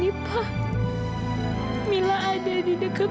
aku ingin memberikan kasih sayang seorang ayah yang tidak pernah dia dapatkan selama ini